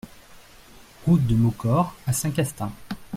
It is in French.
Route de Maucor à Saint-Castin